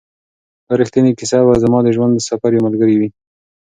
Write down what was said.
دا ریښتینې کیسه به زما د ژوند د سفر یو ملګری وي.